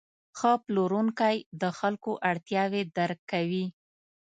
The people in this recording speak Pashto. ښه پلورونکی د خلکو اړتیاوې درک کوي.